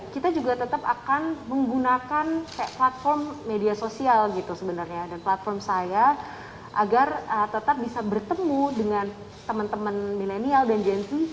kita juga tetap akan menggunakan platform media sosial dan platform saya agar tetap bisa bertemu dengan teman teman milenial dan g dua puluh